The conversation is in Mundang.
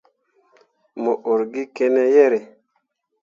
Mo ur gi kene yerre ?